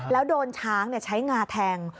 แล้วโดนช้างใช้งาแทง